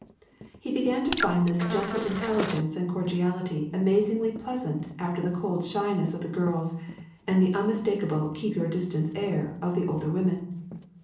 He began to find this gentle intelligence and cordiality amazingly pleasant after the cold shyness of the girls and the unmistakable keep your distance air of the older women.